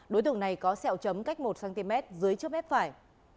đối tượng này có sẹo chấm cách một cm dưới trước mép phải